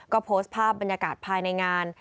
ก็โพสต์ภาพบรรยากาศภายในงาน